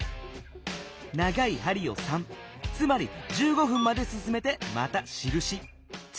長い針を３つまり１５分まですすめてまたしるし。